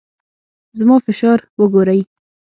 زما فشار وګورئ.